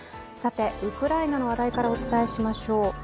ウクライナの話題からお伝えしましょう。